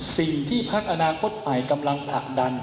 สิ่งที่พักอนาคตใหม่กำลังผลักดัน